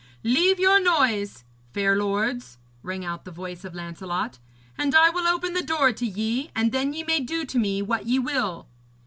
'Leave your noise, fair lords,' rang out the voice of Lancelot, 'and I will open the door to ye, and then ye may do to me what ye will.'